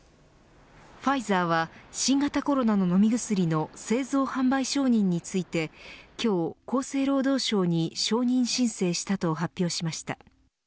ファイザーは新型コロナの飲み薬の製造販売承認について今日、厚生労働省に承認申請したと発表しました。